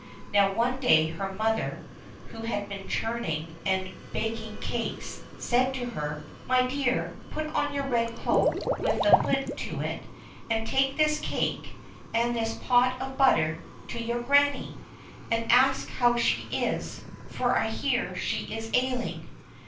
Now one day her mother, who had been churning and baking cakes, said to her : My dear, put on your red cloak with the hood to it, and take this cake, and this pot of butter to your Grannie, and ask how she is, for I hear she is ailing."